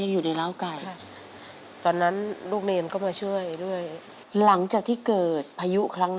อยู่ในร้าวไก่จนปัจจุบันดีเลยนะครับ